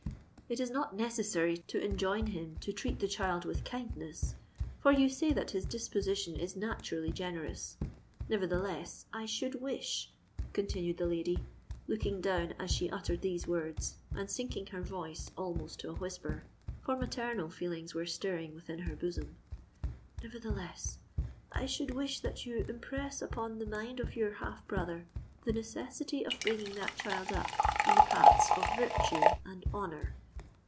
It is not necessary to enjoin him to treat the child with kindness—for you say that his disposition is naturally generous. Nevertheless—I should wish," continued the lady, looking down as she uttered these words, and sinking her voice almost to a whisper—for maternal feelings were stirring within her bosom,—"nevertheless, I should wish that you impress upon the mind of your half brother the necessity of bringing that child up in the paths of virtue and honour."